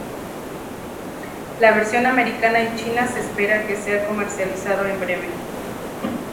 La versión americana y China se espera que sea comercializado en breve.